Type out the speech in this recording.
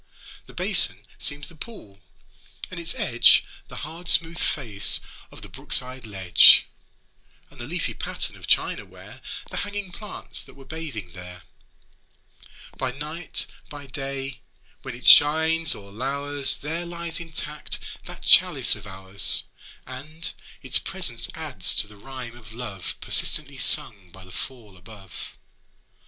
The basin seems the pool, and its edge The hard smooth face of the brook side ledge, And the leafy pattern of china ware The hanging plants that were bathing there. 'By night, by day, when it shines or lours, There lies intact that chalice of ours, And its presence adds to the rhyme of love Persistently sung by the fall above.